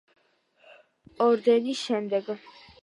სუვოროვის ორდენის შემდეგ.